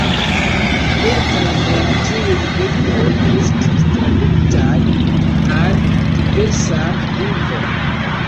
Multaj el tiuj verkoj estis tradukitaj al diversaj lingvoj.